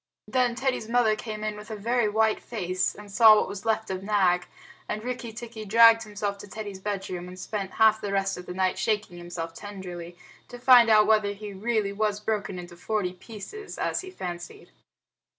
Then Teddy's mother came in with a very white face, and saw what was left of Nag, and Rikki tikki dragged himself to Teddy's bedroom and spent half the rest of the night shaking himself tenderly to find out whether he really was broken into forty pieces, as he fancied.